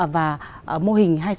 và mô hình hai mươi sáu xã điểm